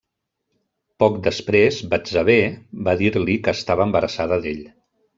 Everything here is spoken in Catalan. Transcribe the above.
Poc després Betsabé va dir-li que estava embarassada d'ell.